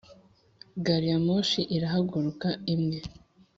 gari ya moshi irahaguruka imwe!